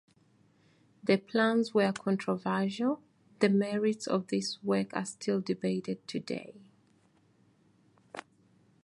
The plans were controversial; the merits of this work are still debated today.